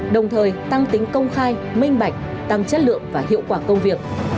đồng thời tăng tính công khai minh bạch tăng chất lượng và hiệu quả công việc